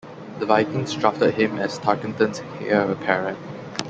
The Vikings drafted him as Tarkenton's heir apparent.